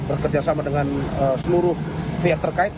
bekerjasama dengan seluruh pihak terkait